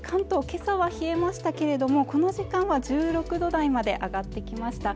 今朝は冷えましたけれどもこの時間は１６度台まで上がってきました